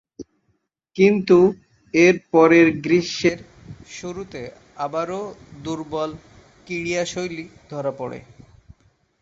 কিন্তু, এর পরের গ্রীষ্মের শুরুতে আবারও দূর্বল ক্রীড়াশৈলী ধরা পড়ে।